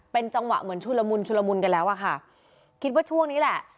เป็นจังหวะเหมือนชุลมุนชุลมุนกันแล้วอะค่ะคิดว่าช่วงนี้แหละ